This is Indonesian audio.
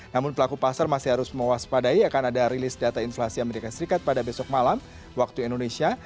namun pelaku pasar masih harus mewaspadai akan ada rilis data inflasi amerika serikat pada besok malam waktu indonesia